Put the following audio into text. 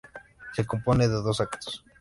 Se compone de dos actos.